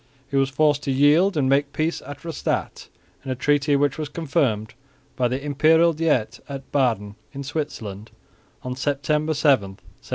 He was forced to yield and make peace at Rastatt in a treaty, which was confirmed by the Imperial Diet at Baden in Switzerland on September 7, 1714.